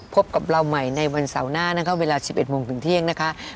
พบกับเราใหม่ในวันเสาร์หน้านะคะเวลา๑๑โมงถึงเที่ยงนะคะ